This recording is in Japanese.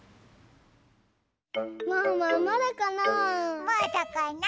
ワンワンまだかな？